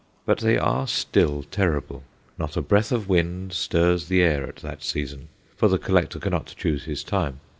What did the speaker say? But they are still terrible. Not a breath of wind stirs the air at that season, for the collector cannot choose his time.